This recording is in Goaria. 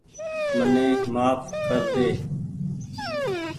مني مهاڦ ڪر ۮي